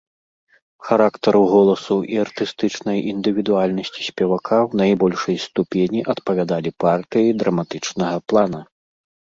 Характару голасу і артыстычнай індывідуальнасці спевака ў найбольшай ступені адпавядалі партыі драматычнага плана.